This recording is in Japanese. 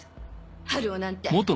春男なんて！